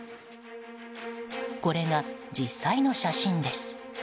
これが実際の写真です。